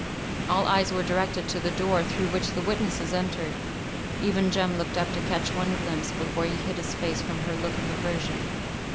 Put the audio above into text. All eyes were directed to the door through which the witnesses entered. Even Jem looked up to catch one glimpse before he hid his face from her look of aversion.